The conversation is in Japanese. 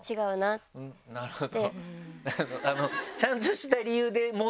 なるほど。